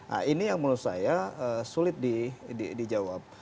nah ini yang menurut saya sulit dijawab